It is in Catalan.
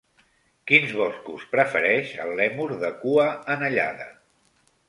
Quins boscos prefereix el lèmur de cua anellada?